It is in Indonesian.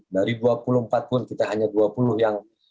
dari dua puluh empat pun kita hanya dua puluh yang